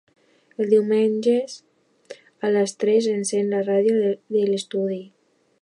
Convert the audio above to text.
Els diumenges a les tres encèn la ràdio de l'estudi.